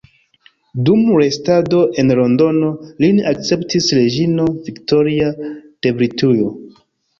Dum restado en Londono lin akceptis reĝino Viktoria de Britujo.